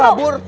lo mau kabur